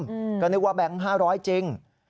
เป็นแบงค์ปลอมก็นึกว่าแบงค์๕๐๐จริง